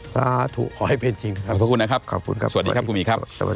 ขอให้เป็นจริงขอบคุณนะครับสวัสดีครับครูหมีครับ